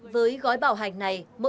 với gói bảo hành này